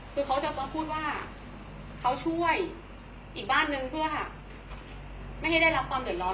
คือเขาจะมาพูดว่าเขาช่วยอีกบ้านนึงเพื่อไม่ให้ได้รับความเดือดร้อน